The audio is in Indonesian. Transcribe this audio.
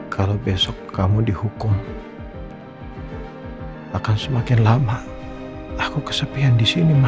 kalau besok kamu dihukum akan semakin lama aku kesepihan di sini